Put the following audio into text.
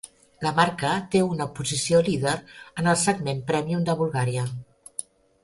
La marca té una posició líder en el segment prèmium de Bulgària.